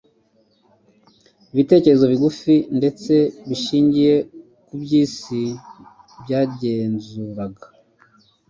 Ibitekerezo bigufi ndetse bishingiye ku by’isi byagenzuraga